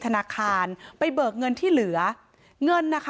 ตำรวจบอกว่าภายในสัปดาห์เนี้ยจะรู้ผลของเครื่องจับเท็จนะคะ